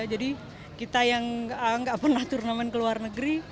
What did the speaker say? jadi kita yang nggak pernah turnamen ke luar negeri